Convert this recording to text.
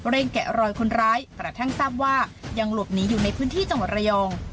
แกะรอยคนร้ายกระทั่งทราบว่ายังหลบหนีอยู่ในพื้นที่จังหวัดระยอง